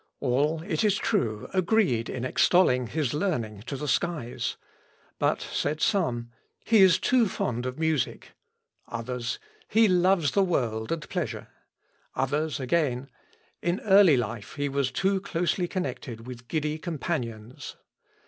All, it is true, agreed in extolling his learning to the skies; but said some, "He is too fond of music;" others, "He loves the world and pleasure;" others again, "In early life he was too closely connected with giddy companions."